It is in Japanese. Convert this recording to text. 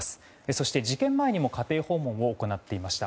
そして、事件前にも家庭訪問を行っていました。